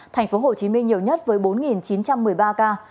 thành phố hồ chí minh nhiều nhất với bốn chín trăm một mươi ba ca